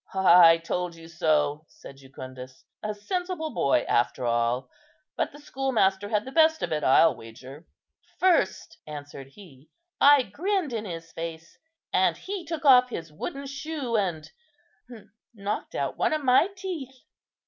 "I told you so," said Jucundus; "a sensible boy, after all; but the schoolmaster had the best of it, I'll wager." "First," answered he, "I grinned in his face, and he took off his wooden shoe, and knocked out one of my teeth."